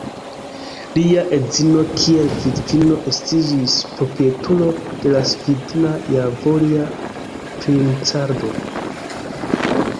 Lia edzino kiel vidvino estiĝis proprietulo de la Svidna-Javoria princlando.